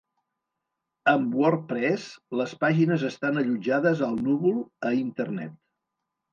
Amb WordPress, les pàgines estan allotjades al núvol, a internet.